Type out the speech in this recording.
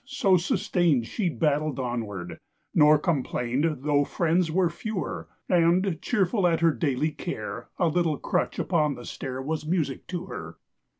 so sustain'd She battled onward, nor complain'd Though friends were fewer: And, cheerful at her daily care, A little crutch upon the stair Was music to her.